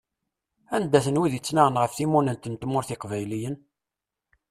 Anda-ten wid ittnaɣen ɣef timunent n tmurt n Iqbayliyen?